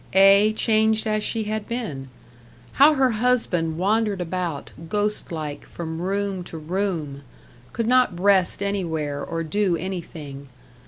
ay, changed as she had been. How her husband wandered about, ghost like, from room to room! could not rest anywhere, or do anything.